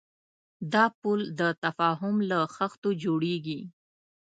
دا پُل د تفاهم له خښتو جوړېږي.